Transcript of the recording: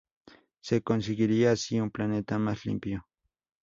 Se conseguiría así un planeta más limpio.